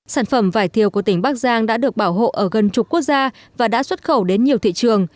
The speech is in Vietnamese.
sản phẩm vải thiều của tỉnh bắc giang đã được bảo hộ ở gần chục quốc gia và đã xuất khẩu đến nhiều thị trường